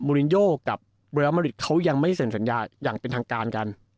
รินโยกับเรียลมาริดเขายังไม่เซ็นสัญญาอย่างเป็นทางการกัน